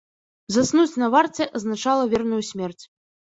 Заснуць на варце азначала верную смерць.